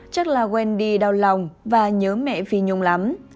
chắc là wendy đau lòng và nhớ mẹ phi nhung lắm